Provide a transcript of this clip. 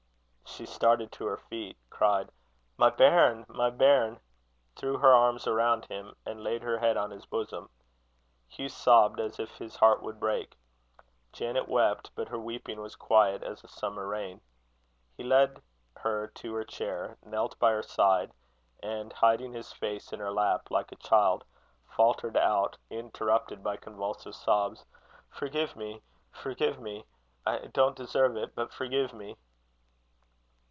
She started to her feet, cried: "My bairn! my bairn!" threw her arms around him, and laid her head on his bosom. Hugh sobbed as if his heart would break. Janet wept, but her weeping was quiet as a summer rain. He led her to her chair, knelt by her side, and hiding his face in her lap like a child, faltered out, interrupted by convulsive sobs: "Forgive me; forgive me. I don't deserve it, but forgive me."